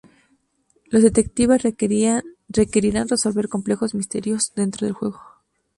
Los detectives requerirán resolver complejos misterios dentro del juego.